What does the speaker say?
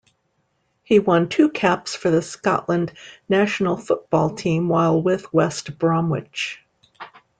He won two caps for the Scotland national football team while with West Bromwich.